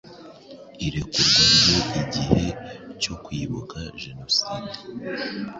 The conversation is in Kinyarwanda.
irekurwa rye ubwo igihe cyo kwibuka jenoside